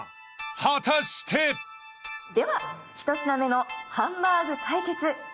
［果たして］では１品目のハンバーグ対決